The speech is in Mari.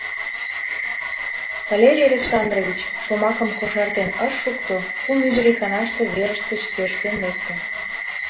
Валерий Александрович шомакым кошартен ыш шукто — кум ӱдыр иканаште верышт гыч тӧрштен лекте.